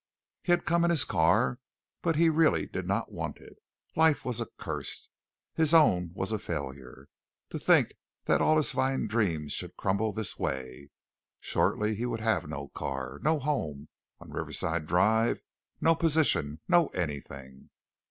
He had come in his car, but he really did not want it. Life was accursed. His own was a failure. To think that all his fine dreams should crumble this way. Shortly he would have no car, no home on Riverside Drive, no position, no anything.